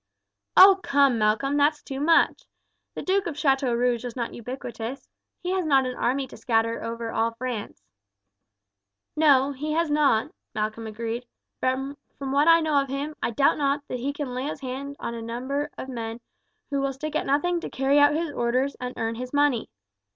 "Oh come, Malcolm, that's too much! The Duke of Chateaurouge is not ubiquitous. He has not an army to scatter over all France." "No, he has not," Malcolm agreed; "but from what I know of him I doubt not that he can lay his hands on a number of men who will stick at nothing to carry out his orders and earn his money.